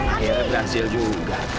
mereka berhasil juga